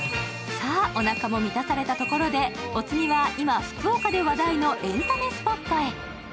さあ、おなかも満たされたところでお次は、今福岡で話題のエンタメスポットへ。